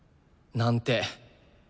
なんて